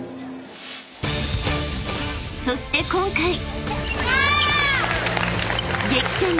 ［そして今回］